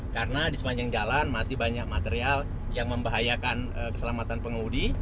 karena di sepanjang jalan masih banyak material yang membahayakan keselamatan pengemudi